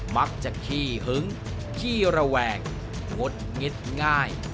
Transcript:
มักจะขี้หึงขี้ระแวงงดเง็ดง่าย